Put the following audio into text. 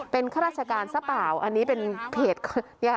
เป็นข้าราชการซะเปล่าอันนี้เป็นเพจเนี่ย